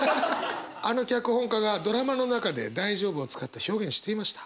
あの脚本家がドラマの中で“大丈夫”を使った表現していました。